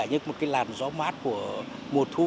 như một cái làn gió mát của mùa thu